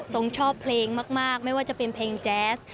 งชอบเพลงมากไม่ว่าจะเป็นเพลงแจ๊ส